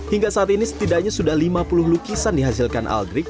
hingga saat ini setidaknya sudah lima puluh lukisan dihasilkan aldrik